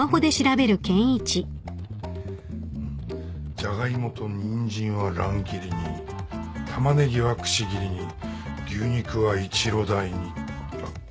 「ジャガイモとニンジンは乱切りにタマネギはくし切りに牛肉はイチロ大に」だって。